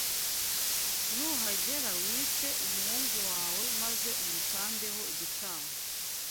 Nuhagera wice umuhungu wawe maze umutambeho igitambo.